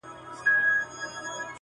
د ښار خلک د حیرت ګوته په خوله وه،